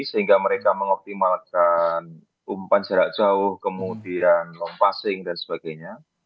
sehingga mereka mengoptimalkan umpan jarak jauh kemudian lompasing dan sebagainya